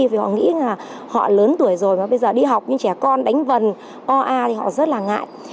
vì họ nghĩ là họ lớn tuổi rồi và bây giờ đi học những trẻ con đánh vần oa thì họ rất là ngại